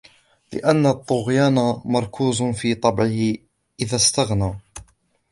لِأَنَّ الطُّغْيَانَ مَرْكُوزٌ فِي طَبْعِهِ إذَا اسْتَغْنَى